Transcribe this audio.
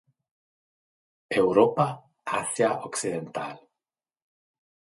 Europa, Asia occidental.